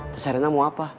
teh serena mau apa